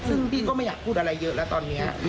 ซึ่งพี่ก็ไม่อยากพูดอะไรเยอะแล้วตอนนี้